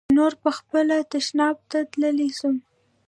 چې نور پخپله تشناب ته تلاى سوم.